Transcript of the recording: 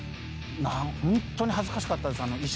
ホントに恥ずかしかったです。